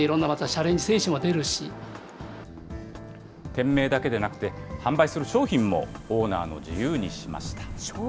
店名だけでなくて、販売する商品もオーナーの自由にしました。